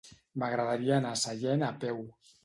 M'agradaria anar a Sallent a peu.